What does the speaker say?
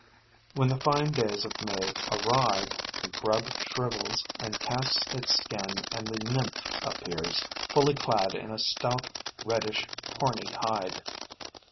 When the fine days of May arrive, the grub shrivels and casts its skin and the nymph appears, fully clad in a stout, reddish, horny hide.